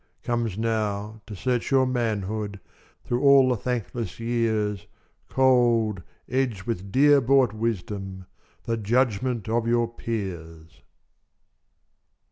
Comes now, to search your manhood Through all the thankless years, Cold, edged with dear bought wisdom, The judgment of your peers!